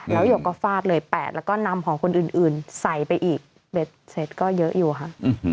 แล้วหยกก็ฟาดเลยแปดแล้วก็นำของคนอื่นใส่ไปอีกเบ็ดเสร็จก็เยอะอยู่ค่ะ